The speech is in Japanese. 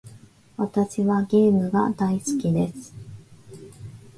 私はゲームが大好きです。